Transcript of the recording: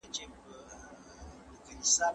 ځینې څېړنې د ویروس ضد اغېز ښيي.